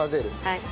はい。